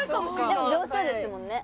でも秒数ですもんね。